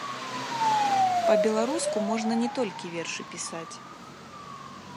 Па-беларуску можна не толькі вершы пісаць.